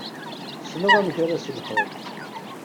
Ssneɣ amek ara s-lḥuɣ.